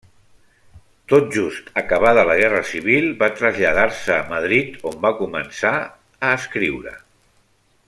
Tot just acabada la guerra civil va traslladar-se a Madrid on va començar a escriure.